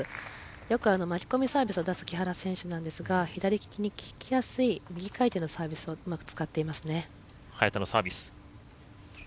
よく巻き込みサービスを出す木原選手なんですが左利きにききやすい右回転のサービスをうまく使っていますね。